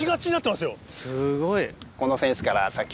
すごい。